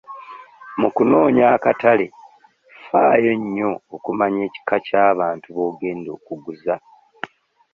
Mu kunoonya akatale faayo nnyo okumanya ekika ky'abantu b'ogenda okuguza.